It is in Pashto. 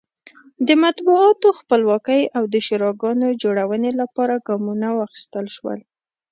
د مطبوعاتو خپلواکۍ او د شوراګانو جوړونې لپاره ګامونه واخیستل شول.